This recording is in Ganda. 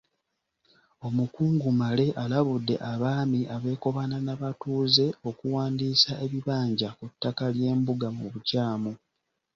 Omukungu Male alabudde Abaami abeekobaana n’abatuuze okuwandiisa ebibanja ku ttaka ly’embuga mu bukyamu.